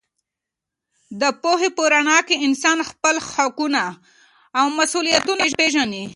د پوهې په رڼا کې انسان خپل حقونه او مسوولیتونه پېژني.